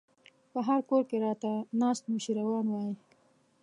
په هر کور کې راته ناست نوشيروان وای